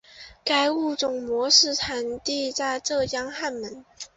该物种的模式产地在浙江坎门。